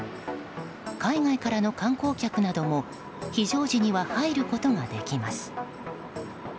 海外からの観光客なども非常時には入ることができます。